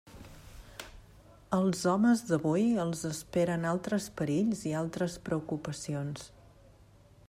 Als homes d'avui els esperen altres perills i altres preocupacions.